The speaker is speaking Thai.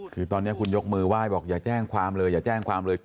คือตอนนี้คุณยกมือไหว้บอกอย่าแจ้งความเลยอย่าแจ้งความเลย